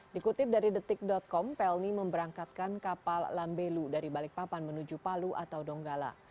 dikutip dari detik com pelni memberangkatkan kapal lambelu dari balikpapan menuju palu atau donggala